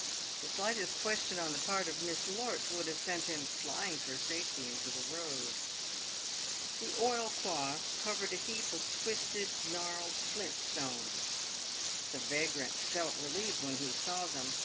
The slightest question on the part of Miss Lorts would have sent him flying for safety into the road. The oilcloth covered a heap of twisted, gnarled flint stones. The vagrant felt relieved when he saw them.